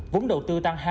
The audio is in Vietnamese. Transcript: vốn đầu tư tăng hai mươi